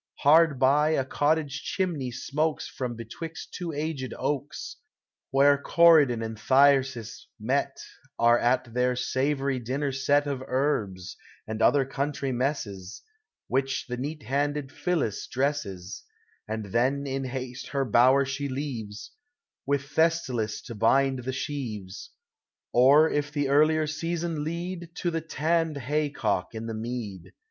Hard by, a cottage chimney smokes From betwixt two aged oaks, Where Coryclon and Thyrsis, met, Are at their savory dinner set Of herbs, and other country messes, Which the neat handed Phillis dresses : And then in haste her bower she leaves, With Thestylis to bind the sheaves ; Or, if the earlier season lead, To the tanned haycock in the mead.